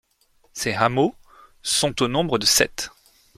Ces hameaux sont au nombre de sept.